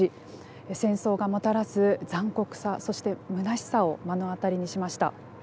戦争がもたらす残酷さそしてむなしさを目の当たりにしました。